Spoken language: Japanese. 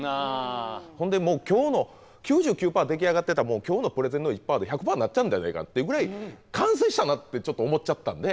ほんでもう今日の９９％出来上がってた今日のプレゼンの１％で１００％なっちゃうんじゃないかっていうぐらい完成したなってちょっと思っちゃったんで。